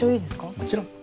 もちろん。